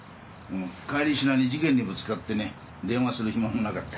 帰りしなに事件にぶつかってね電話する暇もなかった。